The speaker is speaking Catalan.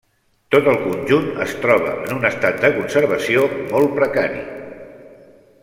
Tot el conjunt es troba en un estat de conservació molt precari.